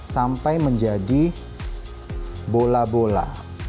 sampai menjadi bola bola